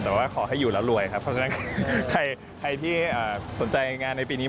แต่ว่าขอให้อยู่แล้วรวยครับเพราะฉะนั้นใครที่สนใจงานในปีนี้